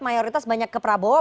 mayoritas banyak ke prabowo